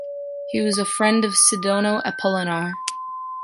He was a friend of Sidonio Apolinar.